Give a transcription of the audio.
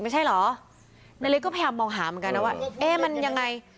ไม่ใช่เหรอนาริสก็พยายามมองหาเหมือนกันนะว่าเอ๊ะมันยังไง